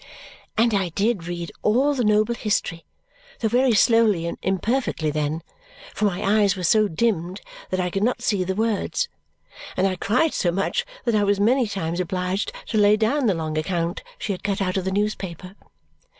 And I DID read all the noble history, though very slowly and imperfectly then, for my eyes were so dimmed that I could not see the words, and I cried so much that I was many times obliged to lay down the long account she had cut out of the newspaper.